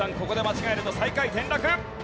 ここで間違えると最下位転落！